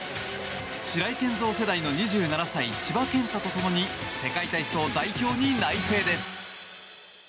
白井健三世代の２７歳千葉健太とともに世界体操代表に内定です。